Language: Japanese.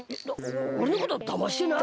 おれのことだましてない？